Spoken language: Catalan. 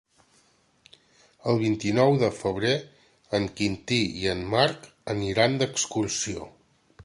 El vint-i-nou de febrer en Quintí i en Marc aniran d'excursió.